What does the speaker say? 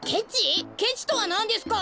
ケチとはなんですか！